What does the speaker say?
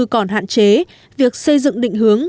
còn hạn chế việc xây dựng định hướng